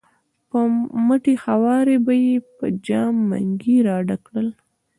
په مټې خوارۍ به یې په جام منګي را ډک کړل.